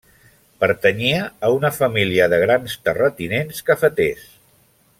Pertanyia a una família de grans terratinents cafeters.